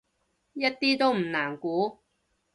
一啲都唔難估